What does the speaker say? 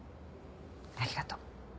ありがとう。